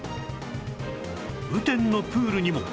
雨天のプールにも